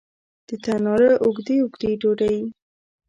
د تناره اوږدې، اوږدې ډوډۍ